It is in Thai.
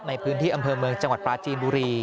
ในพื้นที่อำเภอเมืองจังหวัดปลาจีนบุรี